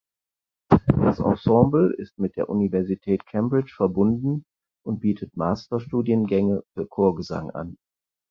Das Ensemble ist mit der Universität Cambridge verbunden und bietet Masterstudiengänge für Chorgesang an.